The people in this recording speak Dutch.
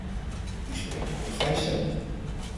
U spreekt over vrijstellingen.